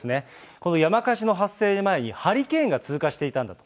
この山火事の発生の前にハリケーンが通過していたんだと。